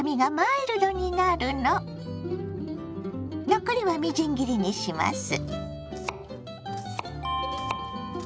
残りはみじん切りにします。